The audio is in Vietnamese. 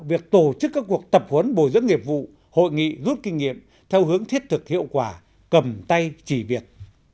việc tổ chức các cuộc tập huấn bồi dưỡng nghiệp vụ hội nghị rút kinh nghiệm theo hướng thiết thực hiệu quả cầm tay chỉ việc